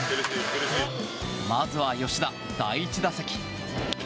まずは吉田、第１打席。